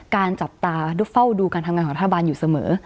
จับตาเฝ้าดูการทำงานของรัฐบาลอยู่เสมอ